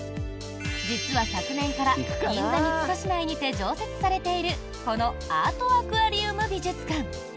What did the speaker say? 実は昨年から銀座三越内にて常設されているこのアートアクアリウム美術館。